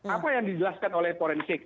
apa yang dijelaskan oleh forensik